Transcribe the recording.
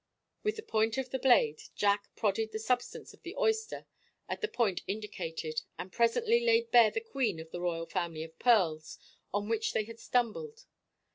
With the point of the blade Jack prodded the substance of the oyster at the point indicated, and presently laid bare the queen of the royal family of pearls on which they had stumbled.